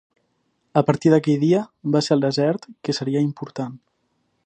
A partir d'aquell dia, va ser el desert que seria important.